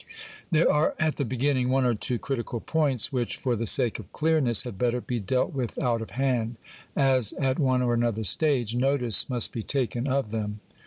There are at the beginning one or two critical points which, for the sake of clearness, had better be dealt with out of hand, as, at one or another stage, notice must be taken of them.